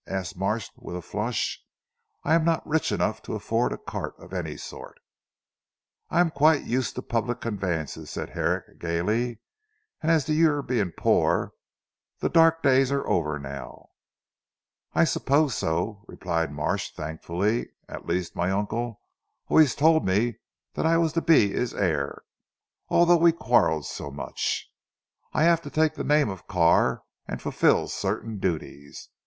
asked Marsh with a flush. "I am not rich enough to afford a cart of any sort." "I am quite used to public conveyances," said Herrick gaily, "and as to your being poor, the dark days are over now." "I suppose so," replied Marsh thankfully, "at least my uncle always told me that I was to be his heir, although we quarrelled so much. I have to take the name of Carr, and fulfil certain duties.